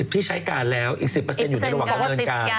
พี่ใช้การแล้วอีก๑๐อยู่ในระหว่างดำเนินการ